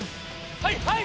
はいはい！